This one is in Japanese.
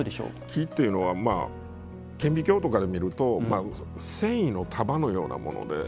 木というのは顕微鏡とかで見ると繊維の束のようなもので。